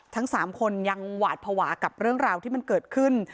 ทั้ง๓คนยังหวาดภาวะกับเรื่องราวที่มันเกิดขึ้น